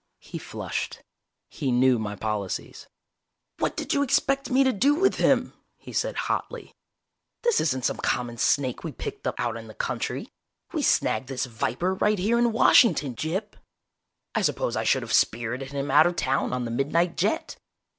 He flushed. He knew my policies. "What did you expect me to do with him?" he said hotly. "This isn't some common snake we picked up out in the country. We snagged this viper right here in Washington, Gyp! I suppose I should have spirited him out of town on the midnight jet!"